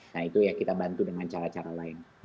nah itu ya kita bantu dengan cara cara lain